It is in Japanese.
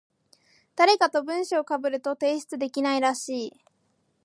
誰かと文章被ると提出できないらしい。